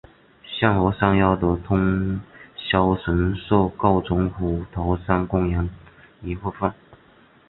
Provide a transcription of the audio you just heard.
现和山腰的通霄神社构成虎头山公园一部分。